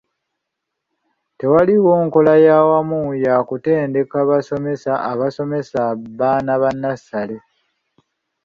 Tewaliiwo nkola ya wamu ya kutendeka basomesa abasomesa baana ba nnasale.